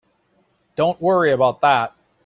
Don't worry about that.